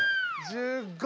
１５！